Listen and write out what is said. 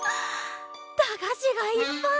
駄菓子がいっぱい！